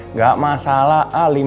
nggak masalah al